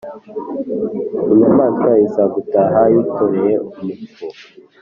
inyamaswa iza gutaha yikoreye umupfu